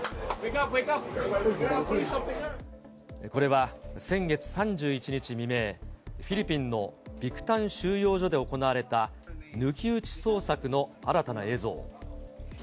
これは、先月３１日未明、フィリピンのビクタン収容所で行われた、抜き打ち捜索の新たな映像。